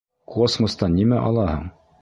— Космостан нимә алаһың?